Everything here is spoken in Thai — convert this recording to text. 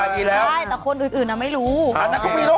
อันนี้ไม่รู้ค่ะ